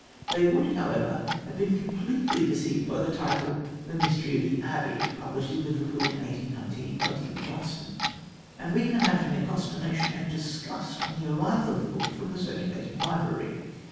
They would, however, have been completely deceived by the title, The Mystery of the Abbey, published in Liverpool in 1819 by T.B. Johnson, and we can imagine their consternation and disgust on the arrival of the book from the circulating library.